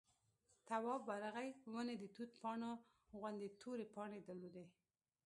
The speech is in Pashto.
تواب ورغی ونې د توت پاڼو غوندې تورې پاڼې درلودې.